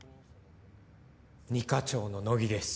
２課長の乃木です